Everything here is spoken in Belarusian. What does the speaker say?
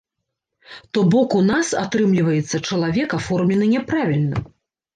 То бок у нас, атрымліваецца, чалавек аформлены няправільна.